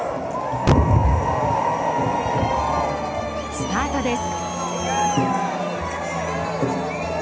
スタートです。